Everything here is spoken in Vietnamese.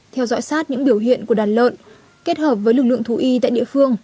theo dõi sát những biểu hiện của đàn lợn kết hợp với lực lượng thú y tại địa phương